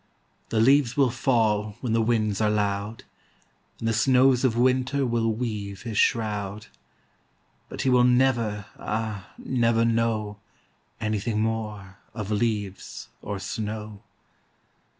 The leaves will fall when the winds are loud, And the snows of winter will weave his shroud But he will never, ah, never know Anything more Of leaves or snow.